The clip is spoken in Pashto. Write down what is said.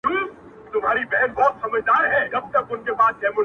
د دود وهلي ښار سپېڅلي خلگ لا ژونـدي دي